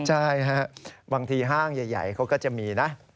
ใช่ฮะบางทีห้างใหญ่เขาก็จะมีนะ